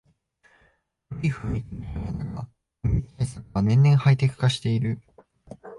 古い雰囲気の本屋だが万引き対策は年々ハイテク化している